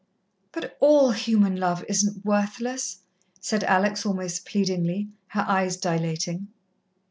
"But all human love isn't worthless," said Alex almost pleadingly, her eyes dilating.